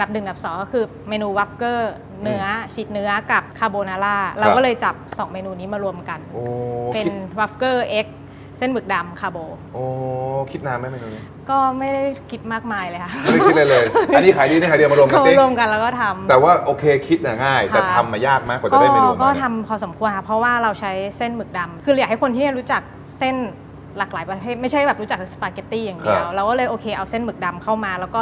ด้วยเอาเส้นหมึกดำเข้ามา